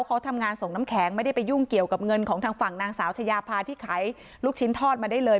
เขาทำงานส่งน้ำแข็งไม่ได้ไปยุ่งเกี่ยวกับเงินของทางฝั่งนางสาวชายาพาที่ขายลูกชิ้นทอดมาได้เลย